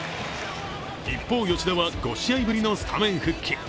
一方、吉田は５試合ぶりのスタメン復帰。